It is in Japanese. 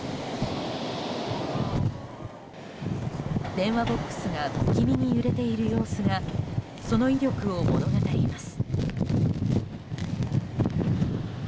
電話ボックスが不気味に揺れている様子がその威力を物語ります。